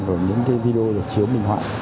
và những video chiếu minh hoạ